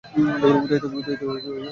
উদয়াদিত্য এখনও আসিল না?